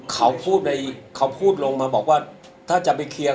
ถ้าพี่ท่านคุยกับชาย